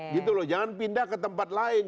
gitu loh jangan pindah ke tempat lain